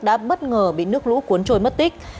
đã bất ngờ bị nước lũ cuốn trôi mất tích